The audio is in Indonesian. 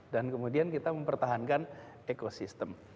dan kemudian kita mempertahankan ekosistem